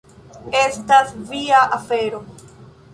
Estas via afero.